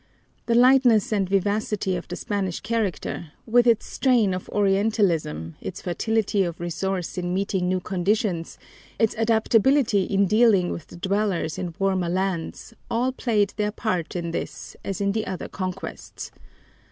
The lightness and vivacity of the Spanish character, with its strain of Orientalism, its fertility of resource in meeting new conditions, its adaptability in dealing with the dwellers in warmer lands, all played their part in this as in the other conquests.